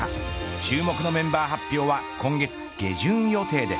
注目のメンバー発表は今月下旬予定です。